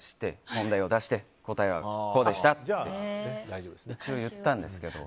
問題を出して答えはこうでしたって一応言ったんですけど。